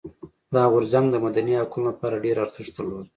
دا غورځنګ د مدني حقونو لپاره ډېر ارزښت درلود.